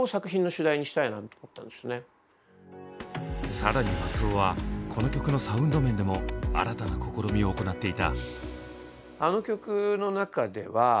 更に松尾はこの曲のサウンド面でも新たな試みを行っていた。